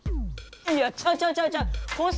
いやちゃうちゃうちゃうちゃう！